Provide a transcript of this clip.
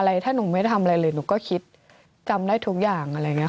อะไรถ้าหนูไม่ทำอะไรเลยหนูก็คิดจำได้ทุกอย่างอะไรนี้